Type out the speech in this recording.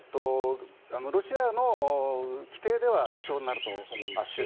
ロシアの規定では首相になると思いますけど。